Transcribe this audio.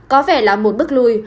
có vẻ là một bước lùi